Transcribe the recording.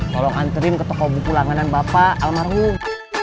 tolong anterin ke toko buku langanan bapak almarhum